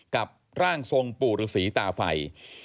กับร่างทรงปู่ฤษีตาไฟ